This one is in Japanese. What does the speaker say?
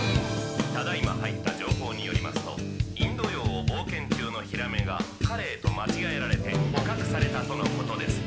「ただ今入った情報によりますとインド洋を冒険中のヒラメがカレイと間違えられて捕獲されたとのことです